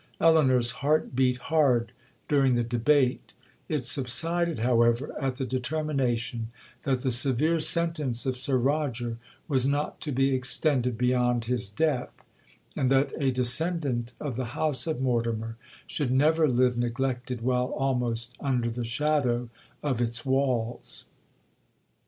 Elinor's heart beat hard during the debate—it subsided, however, at the determination, that the severe sentence of Sir Roger was not to be extended beyond his death, and that a descendant of the house of Mortimer should never live neglected while almost under the shadow of its walls.